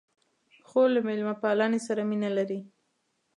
خور له میلمه پالنې سره مینه لري.